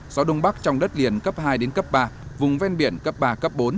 gió đông bắc trong đất liền cấp hai đến cấp ba vùng ven biển cấp ba cấp bốn